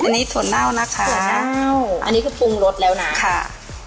อันนี้ถั่วเน่านะคะถั่วเน่าอันนี้คือปรุงรสแล้วนะค่ะ